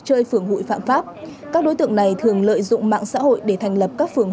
chơi phường hụi phạm pháp các đối tượng này thường lợi dụng mạng xã hội để thành lập các phường